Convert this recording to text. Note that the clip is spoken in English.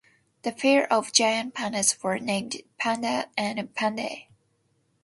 The pair of giant pandas were named "Pan Dah" and "Pan Dee".